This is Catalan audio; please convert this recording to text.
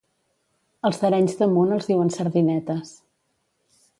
Els d'Arenys de Munt els diuen sardinetes.